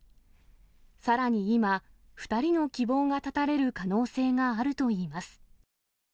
さらに今、２人の希望が絶たれる可能性があるといいます。